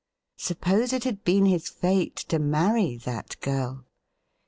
Suppose it had been his fate to marry that girl!